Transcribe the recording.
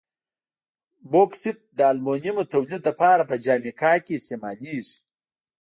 بوکسیت د المونیمو تولید لپاره په جامیکا کې استعمالیږي.